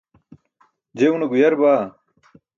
je une guyar baa